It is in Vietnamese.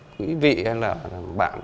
quý vị hay là bạn